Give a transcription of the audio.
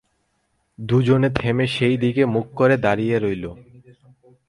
দুজনে থেমে সেই দিকে মুখ করে দাঁড়িয়ে রইল।